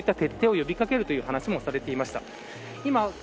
そういった徹底を呼びかけるという話をされていました。